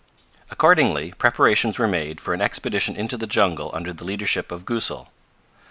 Accordingly preparations were made for an expedition into the jungle under the leadership of Goosal.